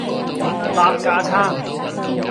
擸架撐